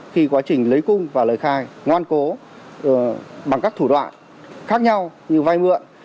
khi quá trình lấy cung và lời khai ngoan cố bằng các thủ đoạn khác nhau như vay mượn